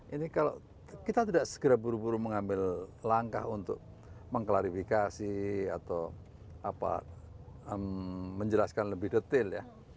ini kalau kita tidak segera buru buru mengambil langkah untuk mengklarifikasi atau menjelaskan lebih detail ya